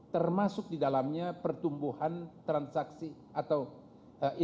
termasuk di dalamnya pertumbuhan transaksi atau investasi